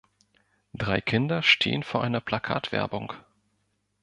Drei Kinder stehen vor einer Plakatwerbung.